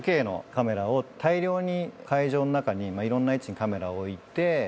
５Ｋのカメラを大量に会場の中にまぁいろんな位置にカメラを置いて。